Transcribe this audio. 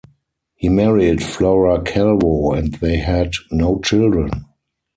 He married Flora Calvo and they had no children.